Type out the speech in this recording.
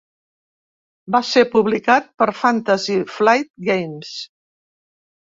Va ser publicat per Fantasy Flight Games.